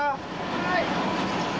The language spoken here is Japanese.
はい。